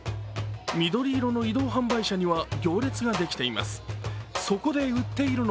緑色の移動販売車には行列ができています。